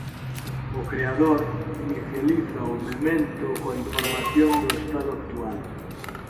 O Creador inicializa o memento coa información do estado actual.